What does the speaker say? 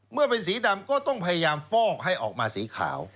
เมื่อเป็นสีดำก็ต้องพยายามฟอกให้ออกมาสีขาว